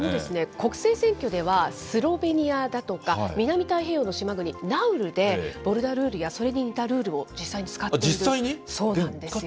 国政選挙では、スロベニアだとか、南太平洋の島国ナウルで、ボルダルールや、それに似たルールを実際に使っているんですよ。